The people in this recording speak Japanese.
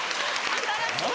新しい！